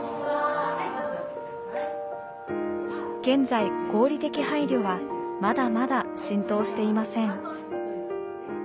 現在合理的配慮はまだまだ浸透していません。